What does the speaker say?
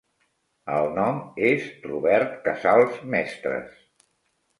El nom es Robert Casals Mestres.